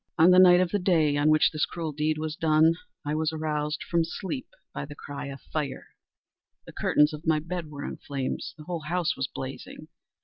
On the night of the day on which this cruel deed was done, I was aroused from sleep by the cry of fire. The curtains of my bed were in flames. The whole house was blazing.